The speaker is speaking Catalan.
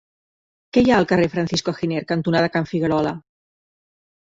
Què hi ha al carrer Francisco Giner cantonada Can Figuerola?